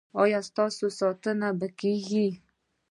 ایا ستاسو ساتنه به کیږي؟